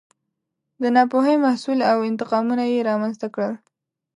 د ناپوهۍ محصول و او انتقامونه یې رامنځته کړل.